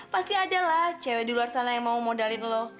pasti ada lah cewek di luar sana yang mau modalin lo